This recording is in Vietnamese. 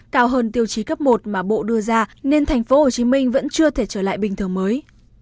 cao hơn tiêu chí cấp một mà bộ đưa ra nên thành phố hồ chí minh vẫn chưa thể trở lại bình thường mới